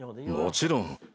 もちろん。